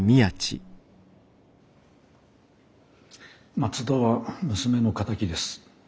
松田は娘の敵です。